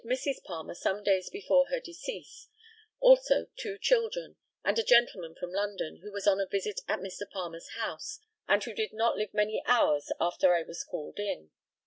I attended Mrs. Palmer some days before her decease; also two children, and a gentleman from London, who was on a visit at Mr. Palmer's house, and who did not live many hours after I was called in.